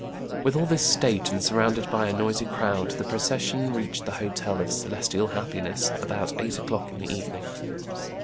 With all this state, and surrounded by a noisy crowd, the procession reached the Hotel of Ce lestial Happiness about eight o'clock in the even ing.